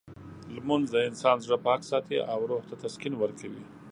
لمونځ د انسان زړه پاک ساتي او روح ته تسکین ورکوي.